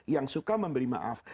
yang suka memberi maaf